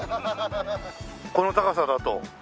この高さだと。